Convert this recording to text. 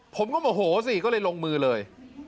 โมโหสิก็เลยลงมือเลย